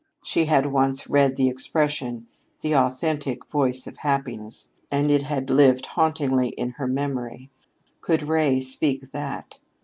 She had once read the expression, "the authentic voice of happiness," and it had lived hauntingly in her memory. Could Ray speak that?